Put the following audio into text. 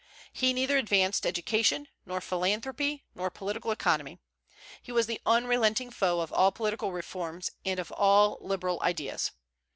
He neither advanced education, nor philanthropy, nor political economy. He was the unrelenting foe of all political reforms, and of all liberal ideas.